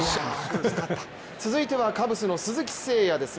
続いてはカブスの鈴木誠也です